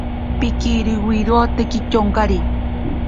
Pikiriwirote kityonkari.